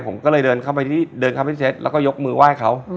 ผมก็เลยเดินเข้าไปที่เดินเข้าไปเซ็ตแล้วก็ยกมือไหว้เขา